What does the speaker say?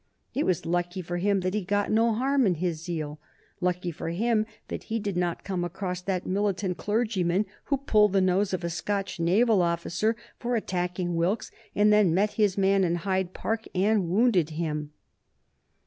It was lucky for him that he got no harm in his zeal, lucky for him that he did not come across that militant clergyman who pulled the nose of a Scotch naval officer for attacking Wilkes and then met his man in Hyde Park and wounded him.